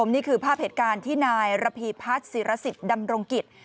นี่คือภาพเหตุการณ์ที่นายระพีพัฒน์ศิรสิทธิ์ดำรงกิจ